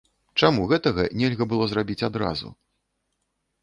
Чаму гэтага нельга было зрабіць адразу?